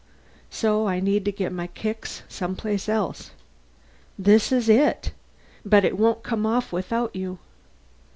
So I need to get my kicks someplace else. This is it. But it won't come off without you."